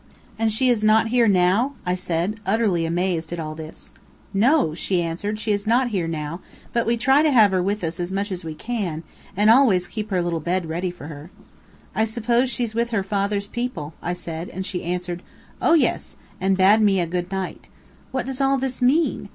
'And she is not here now?' I said, utterly amazed at all this. 'No,' she answered, 'she is not here now, but we try to have her with us as much as we can, and always keep her little bed ready for her.' 'I suppose she's with her father's people,' I said, and she answered, 'Oh yes,' and bade me good night. What does all this mean?